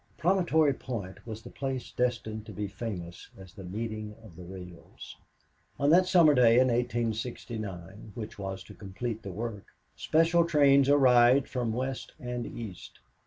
Promontory Point was the place destined to be famous as the meeting of the rails. On that summer day in 1869, which was to complete the work, special trains arrived from west and east.